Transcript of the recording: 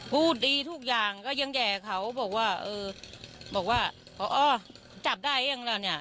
พูดดีทุกอย่างก็ยังแห่เขาบอกว่าเออบอกว่าพอจับได้เองแล้วเนี่ย